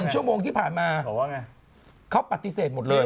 ชั่วโมงที่ผ่านมาเขาปฏิเสธหมดเลย